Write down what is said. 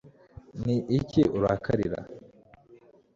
ni iki urakarira